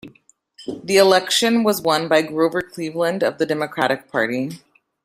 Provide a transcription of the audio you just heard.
The election was won by Grover Cleveland of the Democratic Party.